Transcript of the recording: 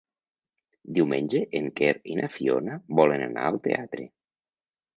Diumenge en Quer i na Fiona volen anar al teatre.